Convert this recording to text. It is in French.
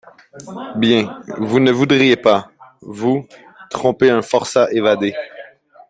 Bien, vous ne voudriez pas, vous, tromper un forçat évadé.